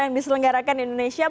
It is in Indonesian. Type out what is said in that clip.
yang diselenggarakan di indonesia